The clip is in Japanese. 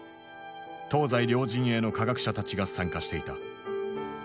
東西両陣営の科学者たちが参加していた。